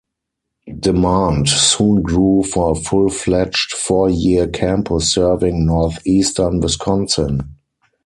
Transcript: Demand soon grew for a full-fledged four-year campus serving northeastern Wisconsin.